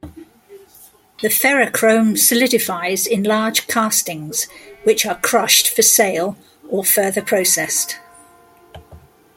The ferrochrome solidifies in large castings, which are crushed for sale or further processed.